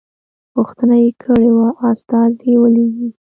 غوښتنه یې کړې وه استازی ولېږي.